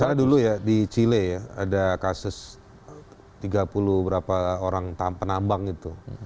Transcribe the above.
misalnya dulu ya di chile ya ada kasus tiga puluh berapa orang penambang itu